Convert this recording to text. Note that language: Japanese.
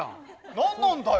何なんだよ！